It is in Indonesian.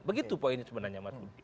begitu poinnya sebenarnya mas